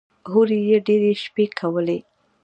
هورې يې ډېرې شپې کولې.